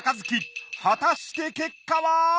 果たして結果は！？